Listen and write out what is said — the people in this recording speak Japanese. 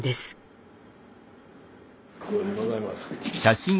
ここにございます。